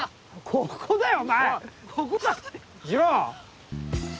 ここだよ。